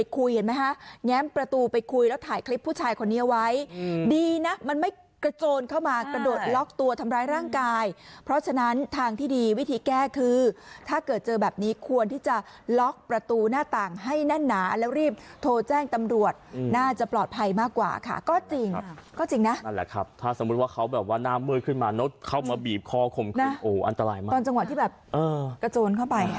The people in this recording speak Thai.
คุณผู้หญิงที่เป็นเจ้าของบ้าน